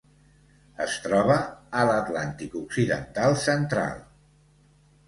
Es troba a l'Atlàntic occidental central: